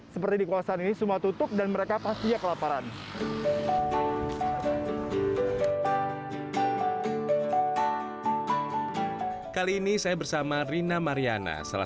seperti di kawasan ini semua tutup dan mereka pastinya kelaparan kali ini saya bersama rina mariana salah